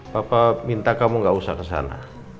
papa minta kamu gak usah kesana